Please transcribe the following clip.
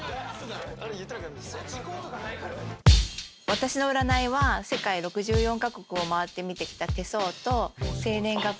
私の占いは世界６４カ国を回って見てきた手相と生年月日。